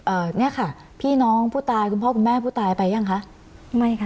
เนี้ยค่ะพี่น้องผู้ตายคุณพ่อคุณแม่ผู้ตายไปยังคะไม่ค่ะ